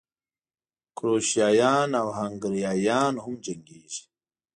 کروشیایان او هنګریایان هم جنګېږي.